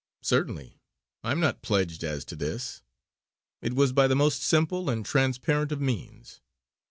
"Certainly! I am not pledged as to this. It was by the most simple and transparent of means.